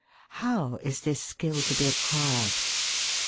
How is this skill to be acquired?